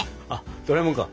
ドラえもんか。